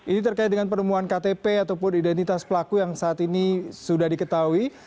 ini terkait dengan penemuan ktp ataupun identitas pelaku yang saat ini sudah diketahui